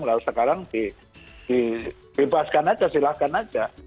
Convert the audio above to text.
lalu sekarang dibebaskan aja silahkan aja